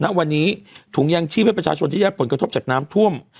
แล้ววันนี้ถุงยางชีพให้ประชาชนที่ญาปุ่นกระทบจากน้ำท่วม